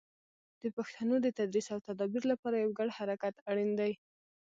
د پښتو د تدریس او تدابیر لپاره یو ګډ حرکت اړین دی.